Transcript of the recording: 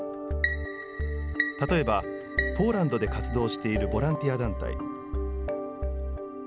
例えば、ポーランドで活動しているボランティア団体。